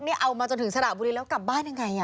นายออกของมาถึงสลับบุรีแล้วกลับบ้านยังไง